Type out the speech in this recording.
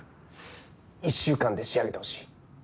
１週間で仕上げてほしい。